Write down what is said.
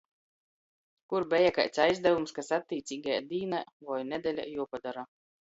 Kur beja kaids aizdavums, kas attīceigajā dīnā voi nedeļā juopadora.